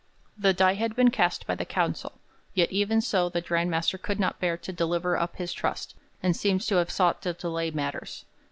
The die had been cast by the council, yet even so the Grand Master could not bear to deliver up his trust, and seems to have sought to delay matters.